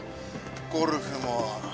ゴルフも。